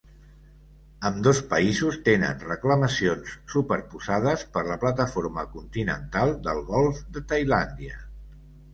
Ambdós països tenen reclamacions superposades per la plataforma continental del golf de Tailàndia.